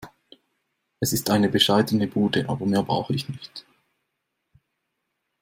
Es ist eine bescheidene Bude, aber mehr brauche ich nicht.